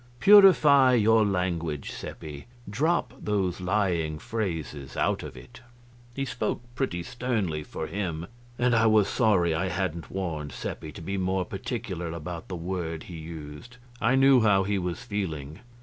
Purify your language, Seppi; drop those lying phrases out of it." He spoke pretty sternly for him and I was sorry I hadn't warned Seppi to be more particular about the word he used. I knew how he was feeling.